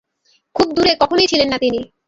খুব দূরে কখনই ছিলেন না উনি।